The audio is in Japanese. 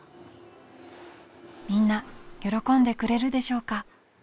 みんな喜んでくれるでしょうか？